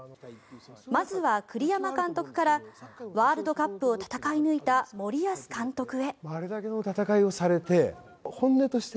まずは栗山監督からワールドカップを戦い抜いた森保監督へ。